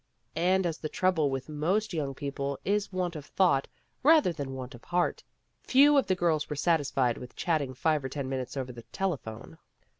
And as the trouble with most young people is want of thought, rather than want of heart, few of the girls were satisfied with chatting five or ten minutes over the telephone.